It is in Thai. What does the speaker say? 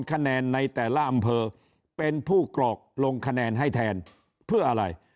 คะแนนในแต่ละอำเภอเป็นผู้กรอกลงคะแนนให้แทนเพื่ออะไร